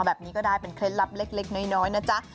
แบบนี้ก็ได้เป็นเคล็ดลับเล็กน้อยนะจ๊ะ